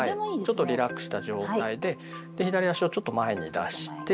ちょっとリラックスした状態で左足をちょっと前に出して。